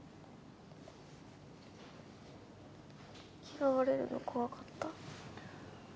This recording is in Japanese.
嫌われるの怖かった。